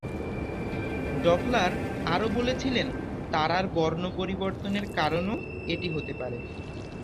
Doppler আরও বলেছিলেন, তারার বর্ণ পরিবর্তনের কারণও এটি হতে পারে।